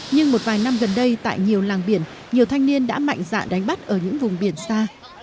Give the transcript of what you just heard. nhưng một vài năm gần đây tại nhiều làng biển nhiều thanh niên đã mạnh dạ đánh bắt ở những vùng biển xa